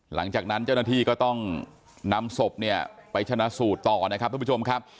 หลังจากนั้นเจ้าหน้าที่ก็ต้องนำศพเนี่ยไปชนะสูตรต่อนะครับทุกผู้ชมครับ